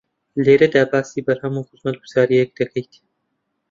لێرەدا باسی بەرهەم و خزمەتگوزارییەک دەکەیت